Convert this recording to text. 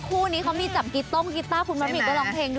คู่นี้เขามีจับกีต้งกีต้าคุณบะหมี่ก็ร้องเพลงด้วย